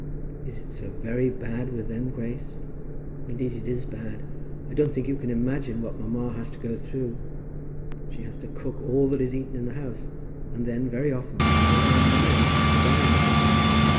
"Is it so very bad with them, Grace?" "Indeed it is bad. I don't think you can imagine what mamma has to go through. She has to cook all that is eaten in the house, and then, very often, there is no money in the house to buy anything.